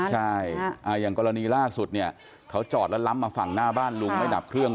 ใช่อย่างกรณีล่าสุดเนี่ยเขาจอดแล้วล้ำมาฝั่งหน้าบ้านลุงไม่ดับเครื่อง